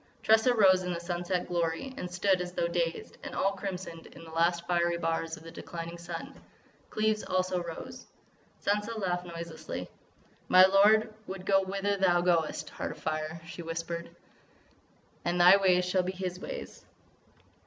Tressa rose in the sunset glory and stood as though dazed, and all crimsoned in the last fiery bars of the declining sun. Cleves also rose. Sansa laughed noiselessly: "My lord would go whither thou goest, Heart of Fire!" she whispered. "And thy ways shall be his ways!"